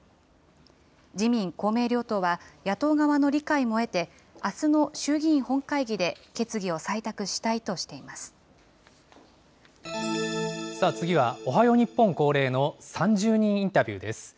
自民・公明両党は野党側の理解も得て、あすの衆議院本会議で、決次は、おはよう日本恒例の３０人インタビューです。